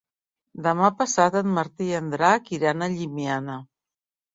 Demà passat en Martí i en Drac iran a Llimiana.